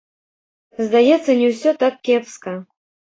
Здаецца, не ўсё так кепска.